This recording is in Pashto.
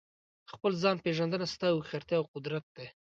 د خپل ځان پېژندنه ستا هوښیارتیا او قدرت دی.